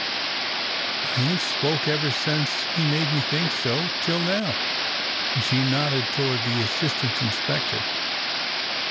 I ain't spoke ever since he made me think so till now," and she nodded toward the assistant inspector.